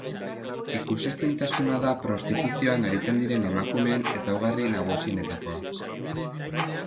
Ikusezintasuna da prostituzioan aritzen diren emakumeen ezaugarri nagusienetakoa.